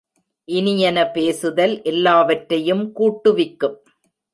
இனியன பேசுதல் எல்லாவற்றையும் கூட்டுவிக்கும்.